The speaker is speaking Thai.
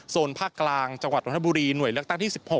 ภาคกลางจังหวัดนทบุรีหน่วยเลือกตั้งที่๑๖